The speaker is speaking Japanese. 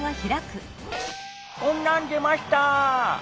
こんなん出ました。